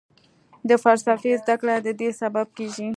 د فلسفې زده کړه ددې سبب کېږي.